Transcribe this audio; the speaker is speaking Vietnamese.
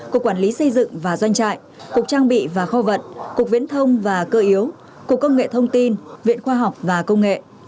cục quản lý xây dựng và doanh trại cục trang bị và kho vận cục viễn thông và cơ yếu cục công nghệ thông tin viện khoa học và công nghệ